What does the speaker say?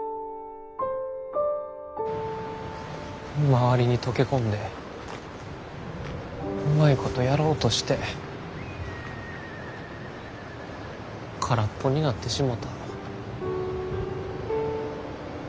周りに溶け込んでうまいことやろうとして空っぽになってしもた。